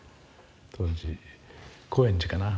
当時高円寺かな。